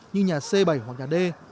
như nhà c bảy hoặc nhà d